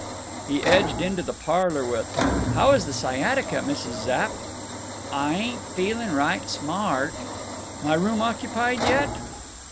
He edged into the parlor with, "How is the sciatica, Mrs. Zapp?" "Ah ain't feeling right smart." "My room occupied yet?"